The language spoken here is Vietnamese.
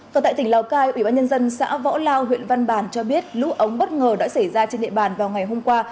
còn tại tỉnh lào cai ủy ban nhân dân xã võ lao huyện văn bàn cho biết lũ ống bất ngờ đã xảy ra trên địa bàn vào ngày hôm qua